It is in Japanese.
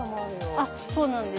あっそうなんです